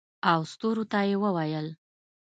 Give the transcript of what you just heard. او ستورو ته یې وویل